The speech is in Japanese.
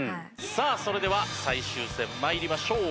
さあそれでは最終戦参りましょう。